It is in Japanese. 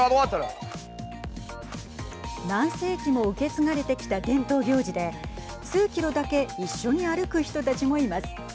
何世紀も受け継がれてきた伝統行事で数キロだけ一緒に歩く人たちもいます。